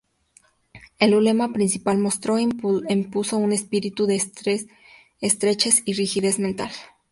El ulema principal mostró e impuso un espíritu de estrechez y rigidez mental.